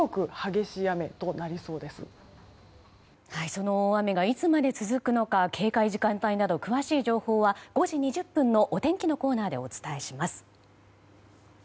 その大雨がいつまで続くのか警戒時間帯など詳しい情報は５時２０分のお天気のコーナーでお伝えします。